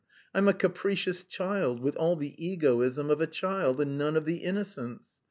I'm a capricious child, with all the egoism of a child and none of the innocence.